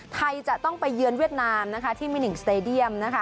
ไทยจะต้องไปเยือนเวียดนามที่มินิงสเตดียม